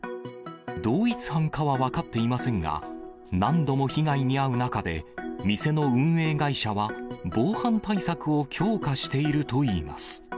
同一犯かは分かっていませんが、何度も被害に遭う中で、店の運営会社は、防犯対策を強化しているといいます。